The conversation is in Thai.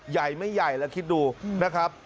ใหญ่ไม่ใหญ่แล้วคิดดูนะครับ